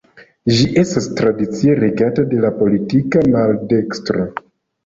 Ĝi estas tradicie regata de la politika maldekstro.